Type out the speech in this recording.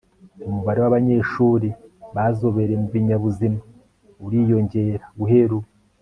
umubare wabanyeshuri bazobereye mubinyabuzima uziyongera guhera ubu